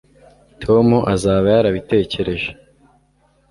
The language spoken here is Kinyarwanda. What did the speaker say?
tom azaba yarabitekereje